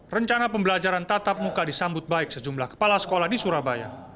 rencana pembelajaran tatap muka disambut baik sejumlah kepala sekolah di surabaya